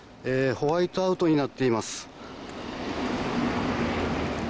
ホワイトアウトになっています。